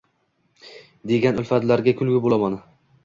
Degan ulfatlarga kulgi bo’laman.